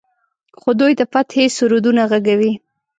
خو دوی د فتحې سرودونه غږوي.